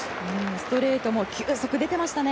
ストレートも球速出てましたね。